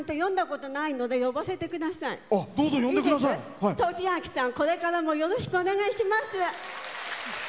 としあきさん、これからもよろしくお願いします。